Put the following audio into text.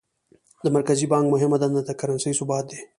د مرکزي بانک مهمه دنده د کرنسۍ ثبات دی.